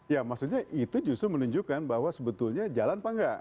ya maksudnya itu justru menunjukkan bahwa sebetulnya jalan apa enggak